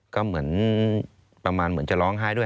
ก็เหมือนประมาณเหมือนจะร้องไห้ด้วย